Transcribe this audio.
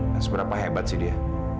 dan seberapa hebat sih dia